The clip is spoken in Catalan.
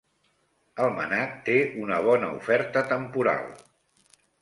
El MNAC té una bona oferta temporal.